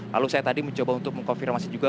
lalu saya tadi mencoba untuk mengkonfirmasi juga